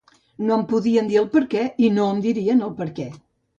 No em podien dir el perquè i no em dirien el perquè.